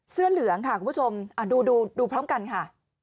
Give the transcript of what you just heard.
เสื้อเหลืองค่ะคุณผู้ชมดูดูพร้อมกันค่ะ